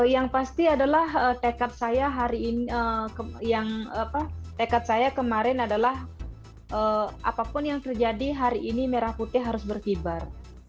yang pasti adalah tekad saya kemarin adalah apapun yang terjadi hari ini merah putih harus berkibar